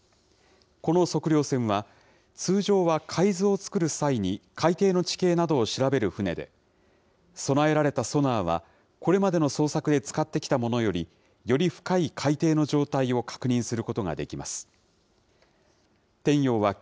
この測量船は、通常は海図を作る際に海底の地形などを調べる船で、備えられたソナーは、これまでの捜索で使ってきたものより、より深い海底の状態を確認することができます。